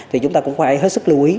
thì chúng ta cũng phải hết sức lưu ý